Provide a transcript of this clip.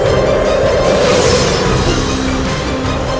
aku harus bisa menemukannya